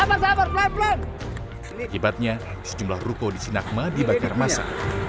akibatnya sejumlah ruko di sinagma dibangkar masa